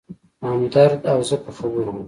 همدرد او زه په خبرو و.